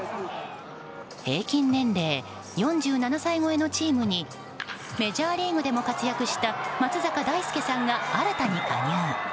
平均年齢４７歳超えのチームにメジャーリーグでも活躍した松坂大輔さんが新たに加入。